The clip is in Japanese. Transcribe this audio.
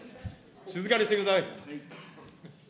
静かにしてください。